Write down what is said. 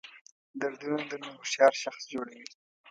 دردونه درنه هوښیار شخص جوړوي.